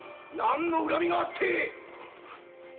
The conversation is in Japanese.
何の恨みがあって‼